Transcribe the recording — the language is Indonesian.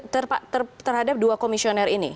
terhadap dua komisioner ini